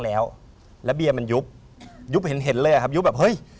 แล้วเบียมันยุบยุบเห็นเลยอะครับยุบแบบเฮ้ย